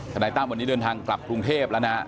นายตั้มวันนี้เดินทางกลับกรุงเทพแล้วนะ